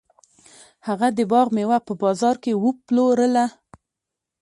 هغه د باغ میوه په بازار کې وپلورله.